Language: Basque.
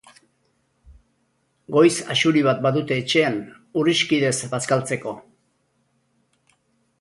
Goiz axuri bat badute etxean Urrixkidez bazkaltzeko.